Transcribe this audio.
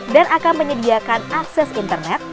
dan akan menyediakan akses internet